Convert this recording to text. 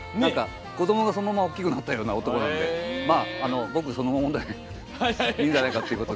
子どもが、そのまま大きくなったような男なので、僕そのものでいいんじゃないかと。